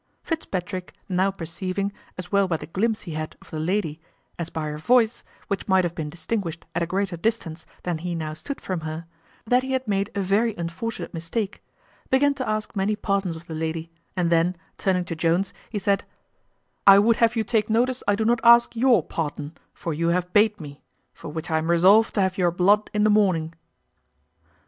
Fitzpatrick, now perceiving, as well by the glimpse he had of the lady, as by her voice, which might have been distinguished at a greater distance than he now stood from her, that he had made a very unfortunate mistake, began to ask many pardons of the lady; and then, turning to Jones, he said, "I would have you take notice I do not ask your pardon, for you have bate me; for which I am resolved to have your blood in the morning."